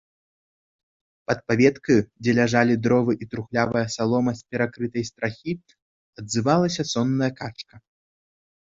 Пад паветкаю, дзе ляжалі дровы і трухлявая салома з перакрытай страхі, адзывалася сонная качка.